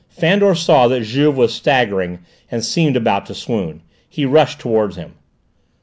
Fandor saw that Juve was staggering and seemed about to swoon. He rushed towards him.